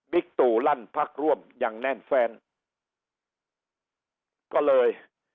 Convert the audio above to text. ตู่ลั่นพักร่วมอย่างแน่นแฟนก็เลย